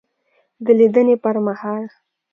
دلیدني پر مهال